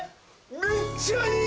めっちゃいい！